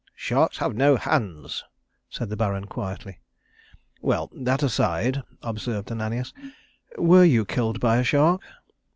"Sharks have no hands," said the Baron quietly. "Well that aside," observed Ananias. "Were you killed by a shark?"